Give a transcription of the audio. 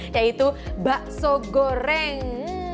yaitu bakso goreng